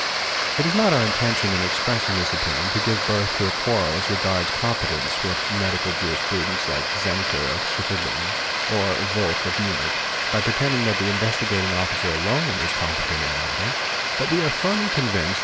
It is not our intention in expressing this opinion to give birth: oa es as regards competence with Medical Jurisprudents, like Zenker 0 E Schievelbein or Vocke of Munich, by pretending that the Investigating Officer alone is competent in the matter; but we are firmly convinced ie